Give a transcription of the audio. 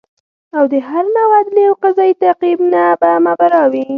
او د هر نوع عدلي او قضایي تعقیب نه به مبرا وي